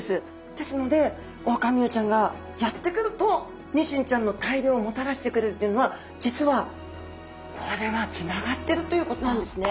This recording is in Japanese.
ですのでオオカミウオちゃんがやって来るとニシンちゃんの大漁をもたらしてくれるっていうのは実はこれはつながってるということなんですね。